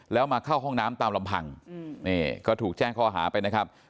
แล้วมาเข้าห้องน้ำตามลำพังนี่ก็ถูกแจ้งข้อหาไปนะครับ